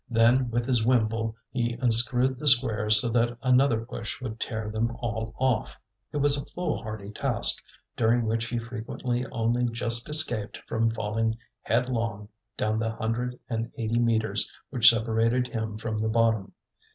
Then with his wimble he unscrewed the squares so that another push would tear them all off. It was a foolhardy task, during which he frequently only just escaped from falling headlong down the hundred and eighty metres which separated him from the bottom.